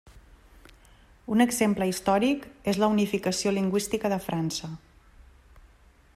Un exemple històric és la unificació lingüística de França.